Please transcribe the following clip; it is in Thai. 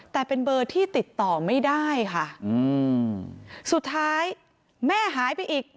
แต่เป็นเบอร์ที่ติดต่อไม่ได้ค่ะอืมสุดท้ายแม่หายไปอีก